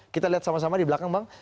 kita lihat sama sama di belakang bang